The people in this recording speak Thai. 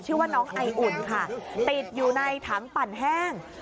ชื่อว่าน้องไออุ่นค่ะติดอยู่ในถังปั่นแห้ง